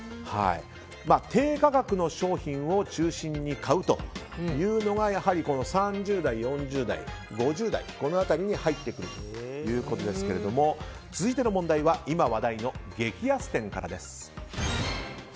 低価格の商品を中心に買うというのがやはり３０代、４０代、５０代この辺りに入ってくるということですけれども続いての問題は今話題の激安店からです。